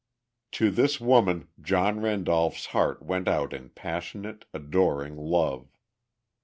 To this woman, John Randolph's heart went out in passionate, adoring love.